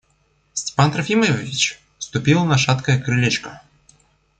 Степан Трофимович ступил на шаткое крылечко.